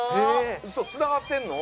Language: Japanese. うそつながってんの！？